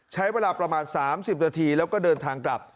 ใช้เวลาประมาณ๓๐นาทีแล้วก็เดินทางกลับ